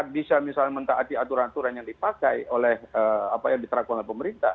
bisa misalnya mentaati aturan aturan yang dipakai oleh apa yang diterapkan oleh pemerintah